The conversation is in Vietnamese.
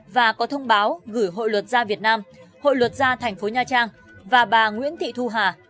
và có thông báo gửi hội luật gia việt nam hội luật gia thành phố nha trang và bà nguyễn thị thu hà